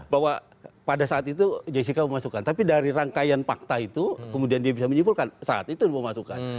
bahwa pada saat itu jessica mau masukkan tapi dari rangkaian fakta itu kemudian dia bisa menyimpulkan saat itu dia mau masukkan